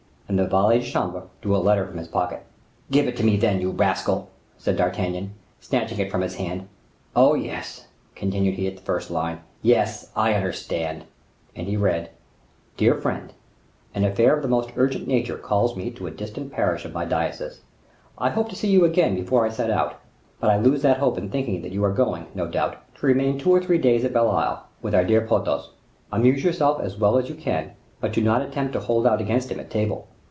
And the valet de chambre drew a letter form his pocket. "Give it me, then, you rascal," said D'Artagnan, snatching it from his hand. "Oh, yes," continued he, at the first line, "yes, I understand;" and he read:— "Dear Friend,—An affair of the most urgent nature calls me to a distant parish of my diocese. I hoped to see you again before I set out; but I lose that hope in thinking that you are going, no doubt, to remain two or three days at Belle Isle, with our dear Porthos. Amuse yourself as well as you can; but do not attempt to hold out against him at table.